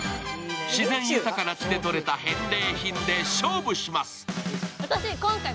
自然豊かな地でとれた返礼品で勝負します。